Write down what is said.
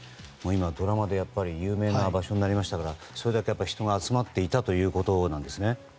今、ドラマで有名な場所になりましたからそれだけ人が集まっていたということなんですね。